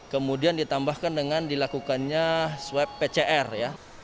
kemudian ditambahkan dengan dilakukannya swab pcr ya